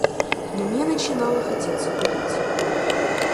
Но мне начинало хотеться курить.